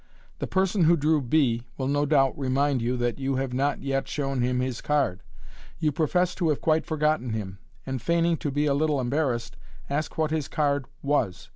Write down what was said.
The person who drew b will, no doubt, remind you that you have not yet shown him his card. You profess to have quite forgotten him, and, feigning to be a little embarrassed, ask what his card was.